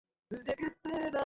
এই কেস ছাড়ব না আমরা।